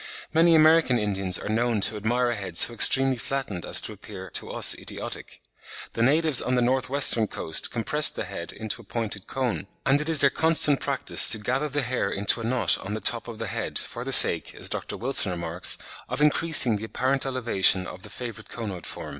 Many American Indians are known to admire a head so extremely flattened as to appear to us idiotic. The natives on the north western coast compress the head into a pointed cone; and it is their constant practice to gather the hair into a knot on the top of the head, for the sake, as Dr. Wilson remarks, "of increasing the apparent elevation of the favourite conoid form."